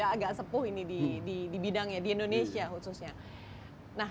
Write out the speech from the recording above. agak sepuh ini di bidangnya di indonesia khususnya